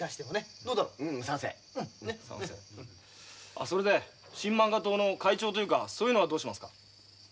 あっそれで新漫画党の会長というかそういうのはどうしますか？